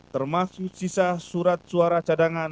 termasuk sisa surat suara cadangan